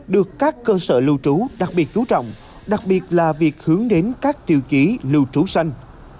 được các cơ sở lưu trú đặc biệt chú trọng đặc biệt là việc hướng đến các tiêu chí lưu trú xanh